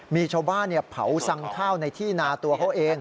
มีชาวบ้านเผาสั่งข้าวในที่นาตัวเขาเอง